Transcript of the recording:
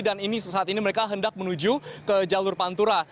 dan saat ini mereka hendak menuju ke jalur pantura